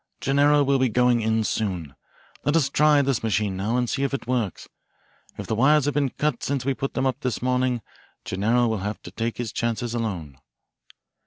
"Gennaro will be going in soon. Let us try this machine now and see if it works. If the wires have been cut since we put them up this morning Gennaro will have to take his chances alone."